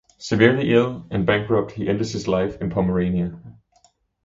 Severely ill and bankrupt, he ended his life in Pomerania.